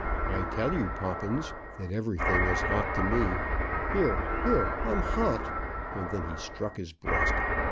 "I tell you, Poppins, that everything is hot to me. Here, here I'm hot." And then he struck his breast.